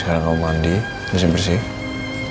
sekarang kamu mandi bersih bersih